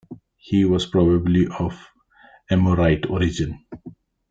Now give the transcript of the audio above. He was probably of Amorite origin.